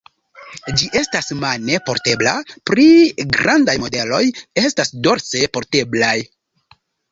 Ĝi estas mane portebla, pli grandaj modeloj estas dorse porteblaj.